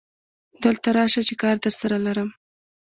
دلته ته راشه چې کار درسره لرم